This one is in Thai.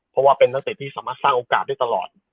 เพราะว่าเป็นนักเตะที่สามารถสร้างโอกาสได้ตลอด